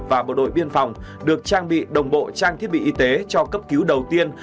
và bộ đội biên phòng được trang bị đồng bộ trang thiết bị y tế cho cấp cứu đầu tiên